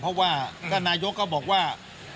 เพราะว่าท่านนายกก็บอกว่า